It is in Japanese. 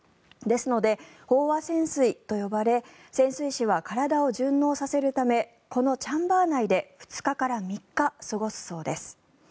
ですので飽和潜水と呼ばれ潜水士は体を順応させるためこのチャンバー内で２日から３日、過ごすそうです。